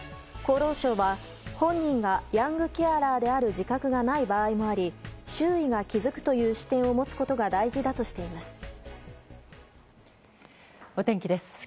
厚労省は、本人がヤングケアラーである自覚がない場合もあり周囲が気付くという視点を持つことが大事だとしています。